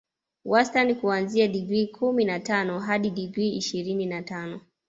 Wastani kuanzia digrii kumi na tano hadi digrii ishirini na tano